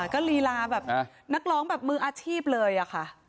ก็ลีลาแบบนักร้องแบบมืออาชีพเลยอะค่ะ